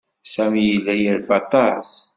Sami yella yerfa aṭas.